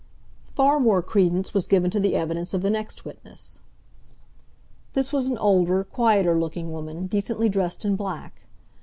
Far more credence was given to the evidence of the next witness. This was an older, quieter looking woman, decently dressed in black.